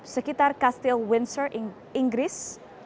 sekitar castle windsor inggris